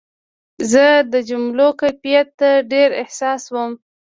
زه د جملو کیفیت ته ډېر حساس وم.